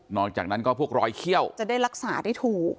หลังจากนั้นก็พวกรอยเขี้ยวจะได้รักษาได้ถูก